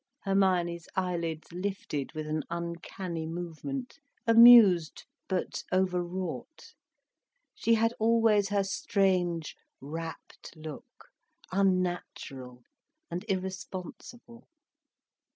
Hermione's eyelids lifted with an uncanny movement, amused but overwrought. She had always her strange, rapt look, unnatural and irresponsible.